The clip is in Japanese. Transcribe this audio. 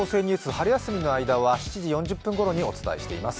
春休みの間は７時４０分ごろにお伝えしています。